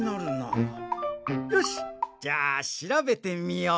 よしじゃあしらべてみよう。